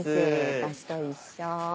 私と一緒。